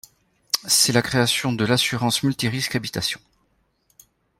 C'est la création de l'assurance multirisques habitation.